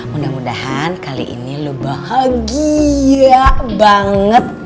mudah mudahan kali ini lo bahagia banget